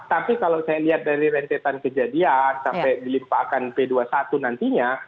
tapi kalau saya lihat dari rentetan kejadian sampai dilimpahkan p dua puluh satu nantinya